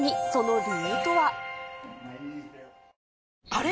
あれ？